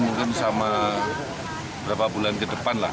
berjalan mungkin beberapa bulan ke depan lah